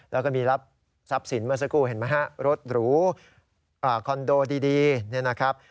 แล้วก็มีรับทรัพย์สินเมื่อสักครู่เห็นไหมฮะรถหรูคอนโดดีเนี่ยนะครับ